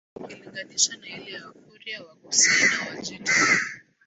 ukilinganisha na ile ya Wakurya Waghusii na Wajita